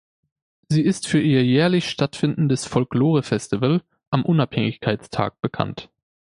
Sie ist für ihr jährlich stattfindendes Folklore-Festival am Unabhängigkeitstag bekannt.